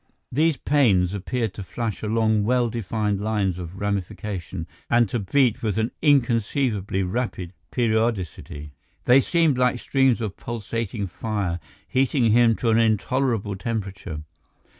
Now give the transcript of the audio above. These pains appeared to flash along well defined lines of ramification and to beat with an inconceivably rapid periodicity. They seemed like streams of pulsating fire heating him to an intolerable temperature.